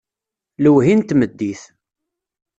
Lewhi n tmeddit.